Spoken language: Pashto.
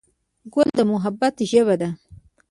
ګل د محبت ژبه ده.